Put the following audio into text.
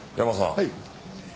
はい。